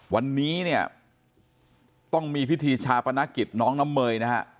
วันนี้เนี่ยต้องมีพิธีชาปนกิจน้องน้ำเมยนะฮะ